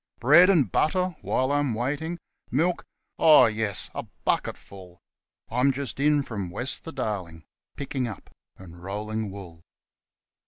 Bread and butter while I'm waiting. Milk? Oh, yes a bucketful.) I'm just in from west the Darling, ' picking up ' and 'rolling wool.'